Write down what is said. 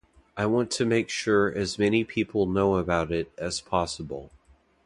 I want to make sure as many people know about it as possible.